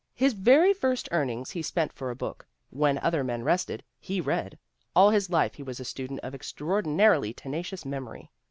His very first earnings he spent for a book; when other men rested, he read; all his life he was a student of extraordinarily tenacious memory.